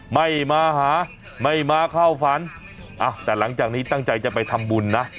ไม่มาหาไม่มาเข้าฝันแต่หลังจากนี้ตั้งใจจะไปทำบุญนะ